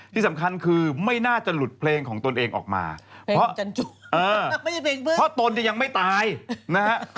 ที่สำคัญคือไม่น่าจะหลุดเพลงของตนเองออกมาเพราะตนเนี่ยยังไม่ตายนะฮะ